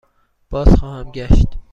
بازخواهم گشت.